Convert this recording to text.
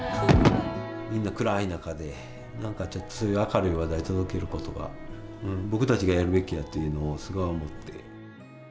みんな暗い中で何かちょっとそういう明るい話題届けることが僕たちがやるべきやっていうのをそこは思って。